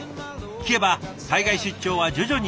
聞けば海外出張は徐々に再開。